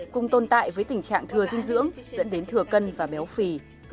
cùng tồn tại với tình trạng thừa dinh dưỡng dẫn đến thừa cân và béo phì